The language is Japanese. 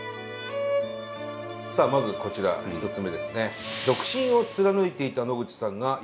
さあまずこちら１つ目ですね。